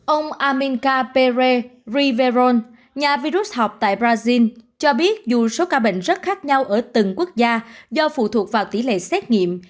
ông amincapere riveron nhà virus học tại brazil cho biết dù số ca bệnh rất khác nhau ở từng quốc gia do phụ thuộc vào tỷ lệ xét nghiệm